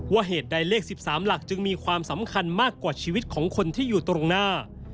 เหตุใดเลข๑๓หลักจึงมีความสำคัญมากกว่าชีวิตของคนที่อยู่ตรงหน้า